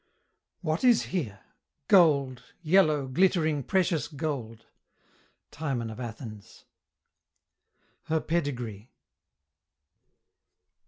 "What is here? Gold! yellow, glittering, precious gold?" Timon of Athens. HER PEDIGREE.